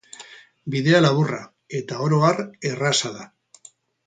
Bidea laburra eta oro har erraza da.